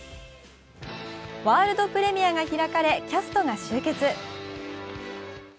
ワールドプレミアが開かれキャストが集結。